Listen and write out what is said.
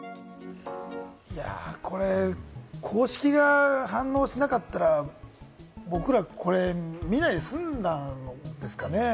これ公式が反応しなかったら僕らはこれ見ないで済んだんですかね？